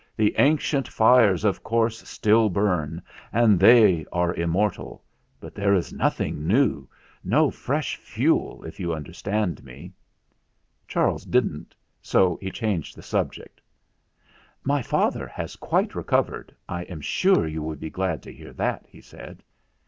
"The ancient fires of course still burn, and they are immortal; but there is nothing new no fresh fuel, if you understand me." Charles didn't, so he changed the subject. "My father has quite recovered. I am sure you will be glad to hear that," he said.